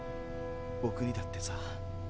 ぼくにだってさ